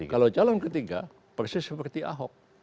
kalau calon ketiga persis seperti ahok